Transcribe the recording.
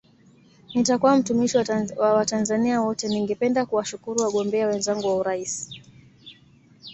Nitakuwa mtumishi wa Watanzania wote Ningependa kuwashukuru wagombea wenzangu wa urais